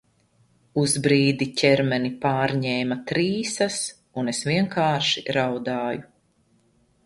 Uz brīdi ķermeni pārņēma trīsas, un es vienkārši raudāju.